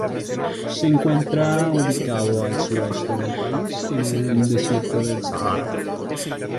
Se encuentra ubicado al suroeste del país, en el desierto del Sahara.